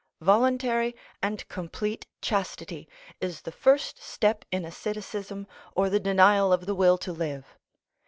Voluntary and complete chastity is the first step in asceticism or the denial of the will to live.